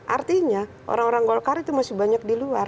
artinya orang orang golkar itu masih banyak di luar